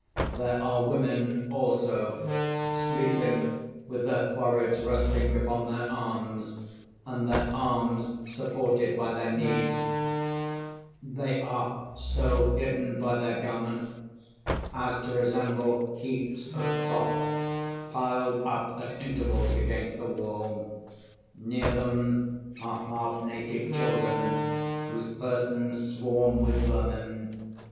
There are women also, sleeping with their foreheads resting upon their arms, and their arms supported by their knees; they are so hidden by their garments as to resemble heaps of cloth piled up at intervals against the wall. Near them are half naked children, whose persons swarm with vermin.